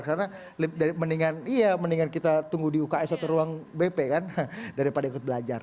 karena mendingan kita tunggu di uks atau ruang bp kan daripada ikut belajar